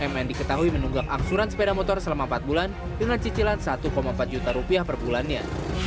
mn diketahui menunggak angsuran sepeda motor selama empat bulan dengan cicilan satu empat juta rupiah per bulannya